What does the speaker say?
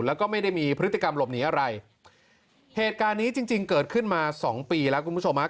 แล้วก็ไม่ได้มีพฤติกรรมหลบหนีอะไรเหตุการณ์นี้จริงจริงเกิดขึ้นมาสองปีแล้วคุณผู้ชมฮะ